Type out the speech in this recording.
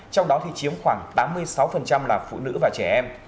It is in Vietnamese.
trong đó thì chiếm khoảng tám mươi sáu là phụ nữ và trẻ em